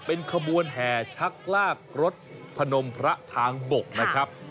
เป็นขบวนแห่ชักลากรถพนมพระทางบกนะครับ